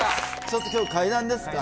ちょっと今日怪談ですか？